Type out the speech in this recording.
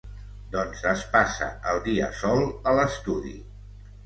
Doncs es passa el dia sol a l'estudi.